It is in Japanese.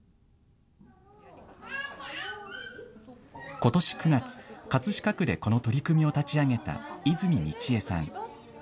ことし９月、葛飾区でこの取り組みを立ち上げた泉美智江さん。